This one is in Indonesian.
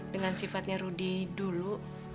dengan sifatnya rudy dulu